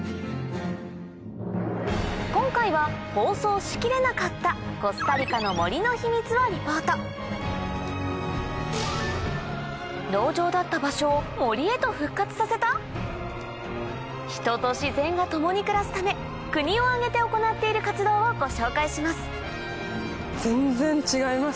今回は放送しきれなかったをリポート人と自然が共に暮らすため国を挙げて行っている活動をご紹介します